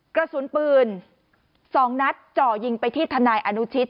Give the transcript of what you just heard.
กระสุนปืน๒นัดจ่อยิงไปที่ทนายอนุชิต